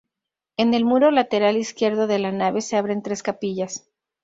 En el muro lateral izquierdo de la nave se abren tres capillas.